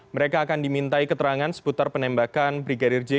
mereka akan dimintai keterangan seputar penembakan brigadir j